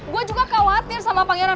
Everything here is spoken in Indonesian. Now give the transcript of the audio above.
gue juga khawatir sama pangeran